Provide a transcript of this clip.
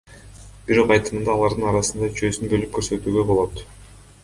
Бирок айтымында, алардын арасынан үчөөсүн бөлүп көрсөтүүгө болот.